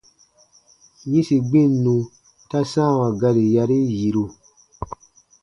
-yĩsi gbinnu ta sãawa gari yarii yiru.